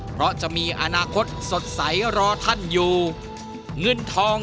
เพราะจะมีอนาคตสดใสรอท่านอยู่เงินทอง